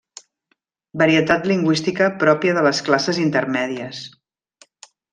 Varietat lingüística pròpia de les classes intermèdies.